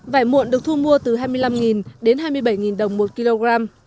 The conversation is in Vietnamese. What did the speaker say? vải muộn được thu mua từ hai mươi năm tỷ đồng đến hai mươi bảy tỷ đồng một kg